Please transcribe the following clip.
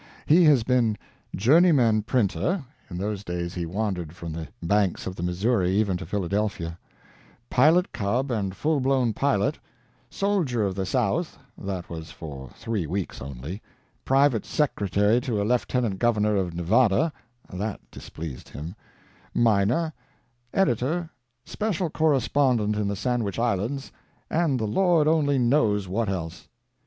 He has been journeyman printer (in those days he wandered from the banks of the Missouri even to Philadelphia), pilot cub and full blown pilot, soldier of the South (that was for three weeks only), private secretary to a Lieutenant Governor of Nevada (that displeased him), miner, editor, special correspondent in the Sandwich Islands, and the Lord only knows what else.